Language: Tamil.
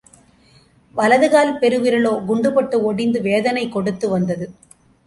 வலது கால் பெருவிரலோ குண்டுபட்டு ஒடிந்து வேதனை கொடுத்து வந்தது.